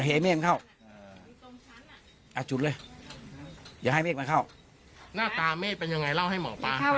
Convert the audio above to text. ก็นี่มาแล้วไม่เห็นเข้าเมื่อวานมันเก่งไงเออ